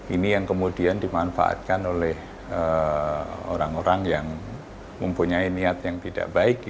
ini yang kemudian dimanfaatkan oleh orang orang yang mempunyai niat yang tidak baik